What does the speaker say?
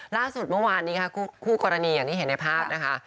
ล่าสุดเมื่อวานนี้ค่ะคู่กรณีอย่างที่เห็นในภาพนะคะ